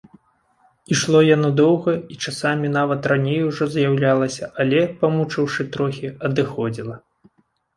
Ішло яно доўга і часамі нават раней ужо з'яўлялася, але, памучыўшы трохі, адыходзіла.